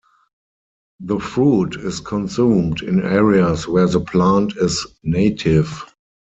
The fruit is consumed in areas where the plant is native.